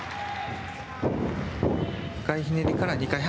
１回ひねりから２回半。